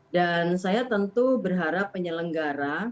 dan saya tentu berharap penyelenggara